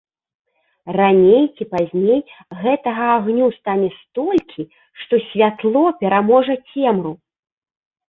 Раней ці пазней гэтага агню стане столькі, што святло пераможа цемру.